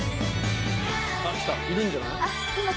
いるんじゃない？